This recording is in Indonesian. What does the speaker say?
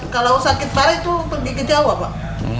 kalau sakit parah itu pergi ke jawa pak